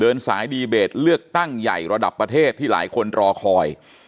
สายดีเบตเลือกตั้งใหญ่ระดับประเทศที่หลายคนรอคอย